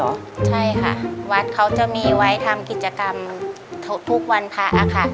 วัดเลยเหรอใช่ค่ะวัดเขาจะมีไว้ทำกิจกรรมทุกทุกวันพระอ่ะค่ะ